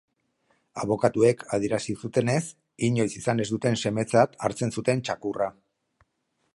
Abokatuek adierazi zutenez, inoiz izan ez duten semetzat hartzen zuten txakurra.